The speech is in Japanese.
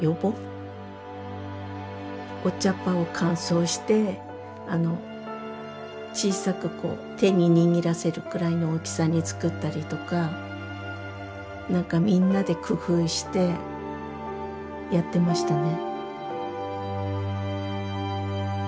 お茶っ葉を乾燥して小さくこう手に握らせるくらいの大きさに作ったりとか何かみんなで工夫してやってましたね。